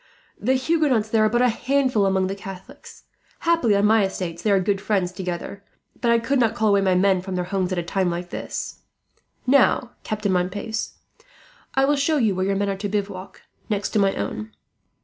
"The Huguenots there are but a handful among the Catholics. Happily on my estates they are good friends together, but I could not call away men from their homes, at a time like this. "Now, Captain Montpace, I will show you where your men are to bivouac, next to my own.